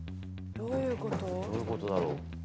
どういうことだろう？